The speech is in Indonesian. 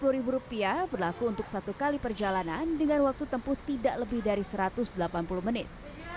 rp sepuluh berlaku untuk satu kali perjalanan dengan waktu tempuh tidak lebih dari satu ratus delapan puluh menit